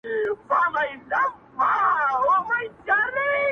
موږ د یوه بل د روح مخونه یو پر هره دنیا’